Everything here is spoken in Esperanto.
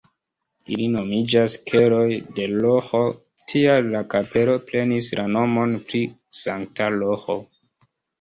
Ili nomiĝas keloj de Roĥo, tial la kapelo prenis la nomon pri Sankta Roĥo.